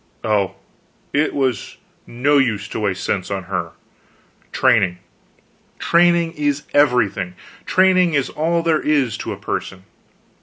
Oh, it was no use to waste sense on her. Training training is everything; training is all there is to a person.